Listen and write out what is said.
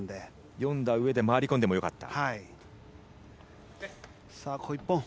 読んだうえで回り込んでも良かった。